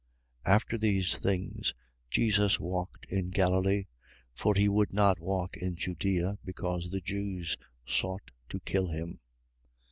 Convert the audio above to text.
7:1. After these things, Jesus walked in Galilee: for he would not walk in Judea, because the Jews sought to kill him.